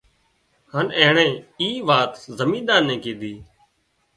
هانَ اينڻي اي وات زمينۮار نين ڪيڌي